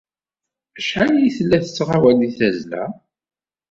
Acḥal ay tella tettɣawal deg tazzla?